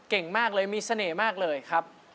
เก่งมากเลยมีเสน่ห์มากเลยครับ